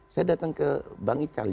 saya datang ke bang ical